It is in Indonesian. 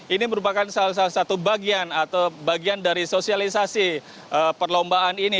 ini merupakan salah satu bagian atau bagian dari sosialisasi perlombaan ini